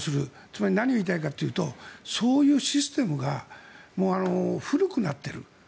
つまり、何を言いたいかというとそういうシステムが古くなっている。